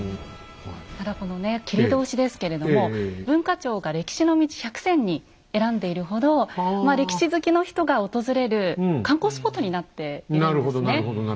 ただこのね切通ですけれども文化庁が「歴史の道百選」に選んでいるほどまあ歴史好きの人が訪れる観光スポットになっているんですね。